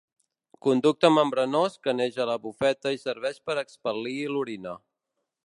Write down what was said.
Conducte membranós que neix a la bufeta i serveix per a expel·lir l'orina.